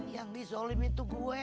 yang dijolimin tuh gue